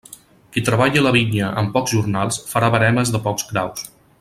Qui treballa la vinya amb pocs jornals farà veremes de pocs graus.